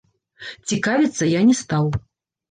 Цікавіцца я не стаў.